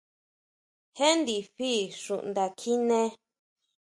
Jé ndifi xunda kjiné.